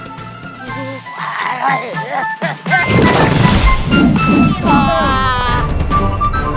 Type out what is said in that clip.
apakah kamu berani setup love